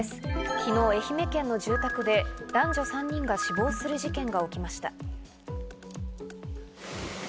昨日、愛媛県の住宅で男女３人が死亡する事件が起きました。